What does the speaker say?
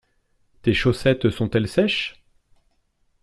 Tes chaussettes sont-elles sèches?